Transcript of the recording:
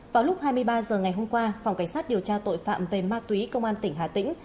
vào lúc hai mươi ba h ngày hôm qua phòng cảnh sát điều tra tội phạm về ma túy công an tỉnh hà tĩnh